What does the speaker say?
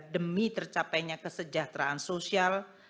demi tercapainya kesejahteraan sosial